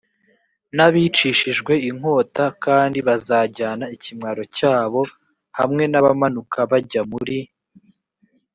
n abicishijwe inkota kandi bazajyana ikimwaro cyabo hamwe n abamanuka bajya muri